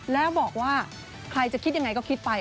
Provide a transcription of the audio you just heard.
แล้วบอกว่าใครจะคิดยังไงก็คิดไป